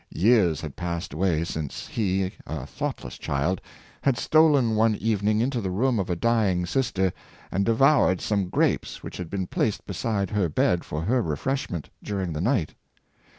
Years had passed away since he, a thought less child, had stolen one evening into the room of a dying sister, and devoured some grapes which had been placed beside her bed for her refreshment during the nisfht.